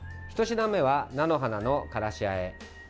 １品目は菜の花のからしあえ。